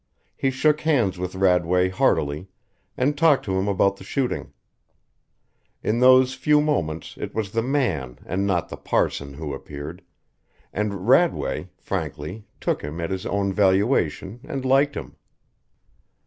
He shook hands with Radway heartily and talked to him about the shooting. In those few moments it was the man and not the parson who appeared, and Radway, frankly, took him at his own valuation and liked him.